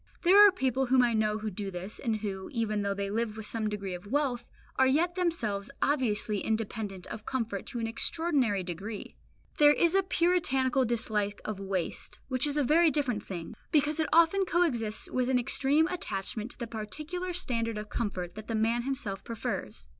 There are people whom I know who do this, and who, even though they live with some degree of wealth, are yet themselves obviously independent of comfort to an extraordinary degree. There is a Puritanical dislike of waste which is a very different thing, because it often coexists with an extreme attachment to the particular standard of comfort that the man himself prefers.